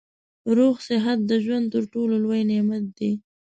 روغ صحت د ژوند تر ټولو لوی نعمت دی